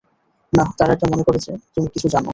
না, তারা এটা মনে করে যে, তুমি কিছু জানো।